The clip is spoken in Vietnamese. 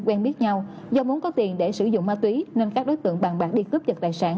quen biết nhau do muốn có tiền để sử dụng ma túy nên các đối tượng bàn bạc đi cướp giật tài sản